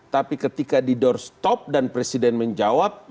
tapi ketika di doorstop dan presiden menjawab